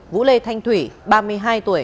vũ lê thanh thủy ba mươi hai tuổi